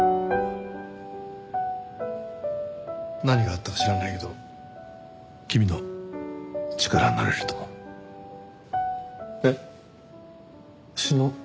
何があったか知らないけど君の力になれると思う。